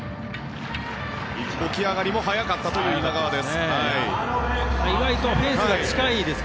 起き上がりも早かったという今川です。